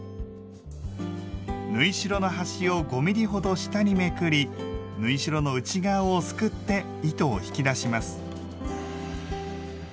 縫い代の端を５ｍｍほど下にめくり縫い代の内側をすくって糸を引き出します。